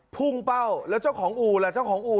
พุ่งเป้าแล้วเจ้าของอู่ล่ะเจ้าของอู่